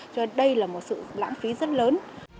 cho nên đây là một sự lãng phí rất lớn